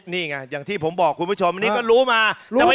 นี่ไงอย่างที่ผมบอกคุณผู้ชมอันนี้ก็รู้มา